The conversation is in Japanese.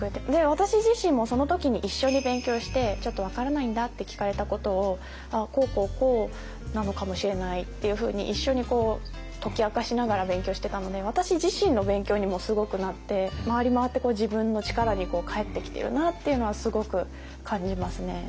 私自身もその時に一緒に勉強してちょっと分からないんだって聞かれたことをこうこうこうなのかもしれないっていうふうに一緒に解き明かしながら勉強してたので私自身の勉強にもすごくなって回り回って自分の力に返ってきているなっていうのはすごく感じますね。